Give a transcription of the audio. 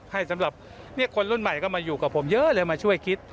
ให้สำหรับคนรุ่นใหม่ก็มาอยู่กับผมเยอะเลยมาช่วยคิด